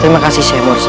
terima kasih syekh mursa